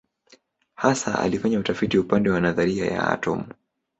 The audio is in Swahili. Hasa alifanya utafiti upande wa nadharia ya atomu.